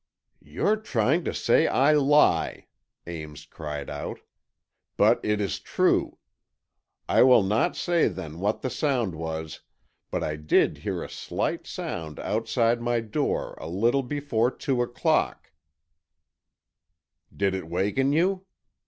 "You're trying to say I lie," Ames cried out. "But it is true. I will not say, then, what the sound was, but I did hear a slight sound outside my door a little before two o'clock——" "Did it waken you?"